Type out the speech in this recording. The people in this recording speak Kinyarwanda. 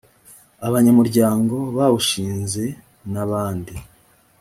abanyamuryango bawushinze n abandi